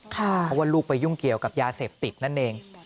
เพราะว่าลูกไปยุ่งเกี่ยวกับยาเสพติดนั่นเอง